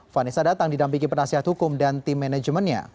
vanessa datang didampingi penasihat hukum dan tim manajemennya